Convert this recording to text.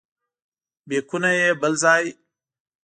بیکونه یې بل ځای.